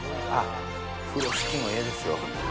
風呂敷もええですよ。